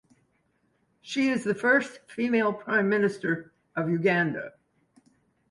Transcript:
She is the first female prime minister of Uganda.